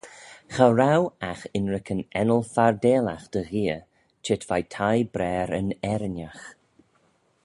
Cha row agh ynrican ennal fardeillagh dy gheay çheet veih thie braar yn eirinagh.